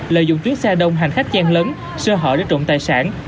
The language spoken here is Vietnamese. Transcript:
lợi dụng tuyến xe đông hành khách gian lớn sơ hợi để trộn tài sản